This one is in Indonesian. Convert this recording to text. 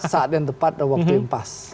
saat yang tepat dan waktu yang pas